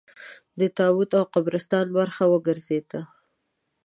د تابوت او قبرستان برخه وګرځېده.